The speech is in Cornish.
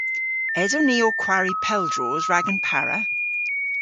Eson ni ow kwari pel droos rag an para?